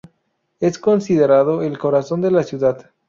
Es considerado el corazón de la ciudad.